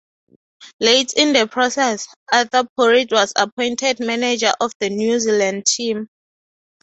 Late in the process, Arthur Porritt was appointed manager of the New Zealand team.